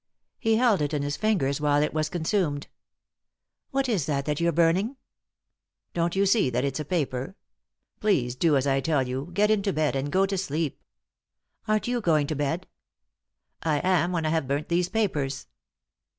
He held it in his fingers while it was consumed. " What is that you're burning ?" "Don't you see that it's a paper ? Please do as I tell you — get into bed, and go to sleep." " Aren't you going to bed f "" I am when 1 have burnt these papers."